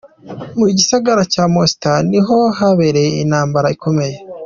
Mu gisagara ca Mostar ni ho habereye intambara ikomeye.